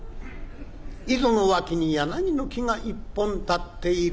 井戸の脇に柳の木が１本立っている。